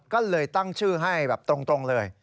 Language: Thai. ก็เลยตั้งชื่อให้แบบตรงเลย